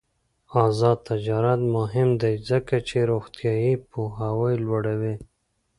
آزاد تجارت مهم دی ځکه چې روغتیايي پوهاوی لوړوي.